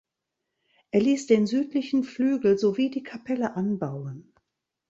Er ließ den südlichen Flügel sowie die Kapelle anbauen.